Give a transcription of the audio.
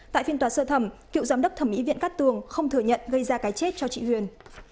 tại phiên tòa sơ thẩm cựu giám đốc thẩm mỹ viện cát tường không thừa nhận gây ra cái chết cho chị huyền